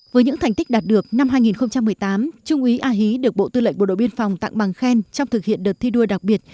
với những thành tích đạt được năm hai nghìn một mươi tám trung úy a hí được bộ tư lệnh bộ đội biên phòng tặng bằng khen trong thực hiện đợt thi đua đặc biệt